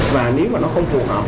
và nếu không phù hợp